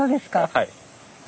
はい。